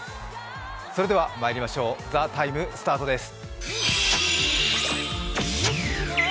それではまいりましょう、「ＴＨＥＴＩＭＥ，」スタートです。